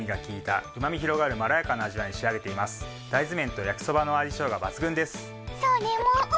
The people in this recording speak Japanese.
大豆麺と焼きそばの相性が抜群です。